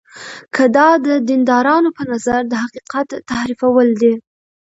که دا د دیندارانو په نظر د حقیقت تحریفول دي.